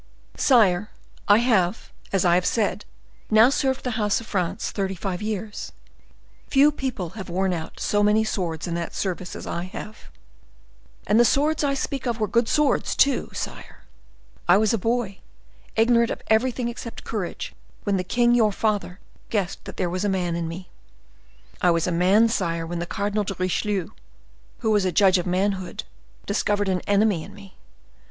"Sire, I have, as I have said, now served the house of France thirty five years; few people have worn out so many swords in that service as I have, and the swords I speak of were good swords, too, sire. I was a boy, ignorant of everything except courage, when the king your father guessed that there was a man in me. I was a man, sire, when the Cardinal de Richelieu, who was a judge of manhood, discovered an enemy in me.